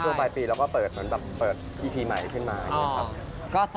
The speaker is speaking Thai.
ใช่นี่อันนี้หมูของพี่อันนี้วัวของเธอ